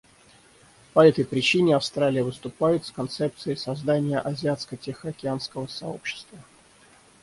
По этой причине Австралия выступает с концепцией создания Азиатско-Тихоокеанского сообщества.